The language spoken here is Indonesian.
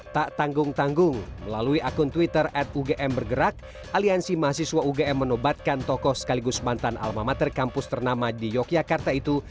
tak tanggung tanggung melalui akun twitter at ugm bergerak aliansi mahasiswa ugm menobatkan tokoh sekaligus mantan almamater kampus ternama di yogyakarta itu